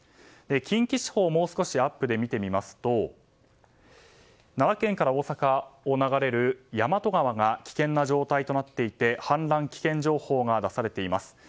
近畿地方をもう少しアップで見てみますと奈良県から大阪を流れる大和川が危険な状態となっていて氾濫危険情報が出されています。